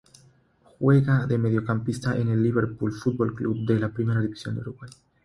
Juega de mediocampista en el Liverpool Fútbol Club de la Primera División de Uruguay.